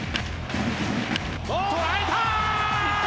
捉えた！